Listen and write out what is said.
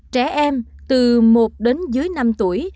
trẻ em từ một đến dưới năm tuổi